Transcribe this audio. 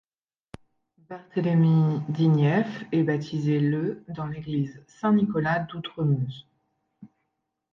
Barthélemy Digneffe est baptisé le dans l'église Saint-Nicolas d'Outremeuse.